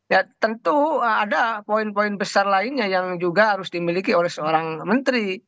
ya tentu ada poin poin besar lainnya yang juga harus dimiliki oleh seorang menteri